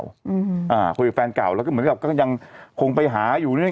อืมอ่าคุยกับแฟนเก่าแล้วก็เหมือนกับก็ยังคงไปหาอยู่เรื่อย